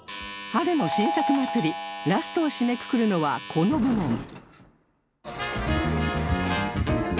春の新作祭りラストを締めくくるのはこの部門